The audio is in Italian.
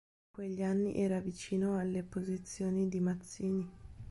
In quegli anni era vicino alle posizioni di Mazzini.